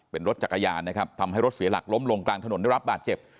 เป็นรถจักรยานนะครับทำให้รถเสียหลักล้มลงกลางถนนได้รับบาดเจ็บ